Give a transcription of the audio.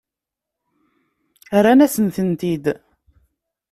Rran-asen-tent-id.